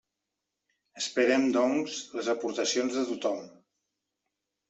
Esperem, doncs, les aportacions de tothom.